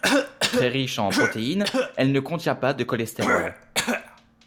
Très riche en protéines, elle ne contient pas de cholestérol.